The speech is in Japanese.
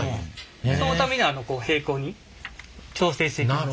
そのために平行に調整していきます。